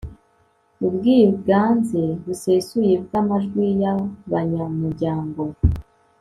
ubwiganze busesuye bw amajwi y abanyamuryango